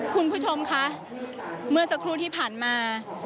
คุณผู้ชมคะเมื่อสักครู่ที่ผ่านมา